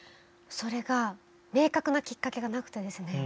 それが明確なきっかけがなくてですね